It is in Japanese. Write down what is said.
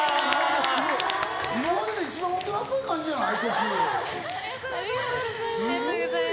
今までで一番大人っぽい感じの曲じゃない？